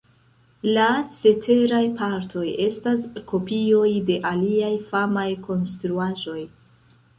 La ceteraj partoj estas kopioj de aliaj famaj konstruaĵoj.